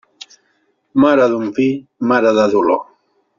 Mare d'un fill, mare de dolor.